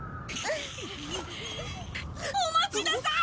お待ちなさい！